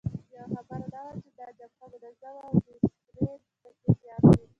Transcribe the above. یوه خبره دا وه چې دا جبهه منظمه او ډسپلین پکې زیات وو.